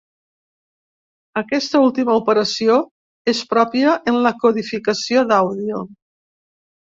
Aquesta última operació és pròpia en la codificació d'àudio.